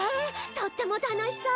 とっても楽しそう！